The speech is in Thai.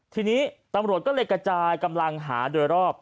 ทีนี้ตำรวจก็เลยกระจายกำลังหาโดยรอบ